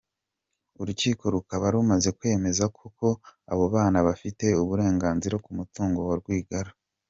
Urukiko rukaba rumaze kwemeza ko koko abo bana bafite uburenganzira ku mutungo wa Rwigara.